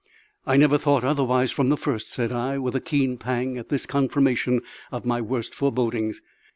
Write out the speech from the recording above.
"I never thought otherwise from the first," said I, with a keen pang at this confirmation of my worst forebodings.